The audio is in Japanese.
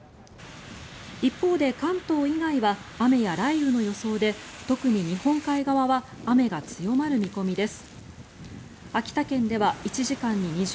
一方で関東以外は雨や雷雨の予想で特に日本海側は雨が強まる見込みです。